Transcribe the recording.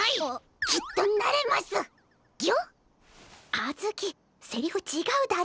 あずきセリフちがうだろ。